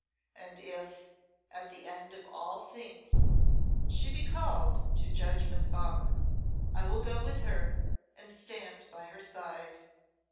And if, at the end of all things, she be called to Judgment Bar, I will go with her and stand by her side.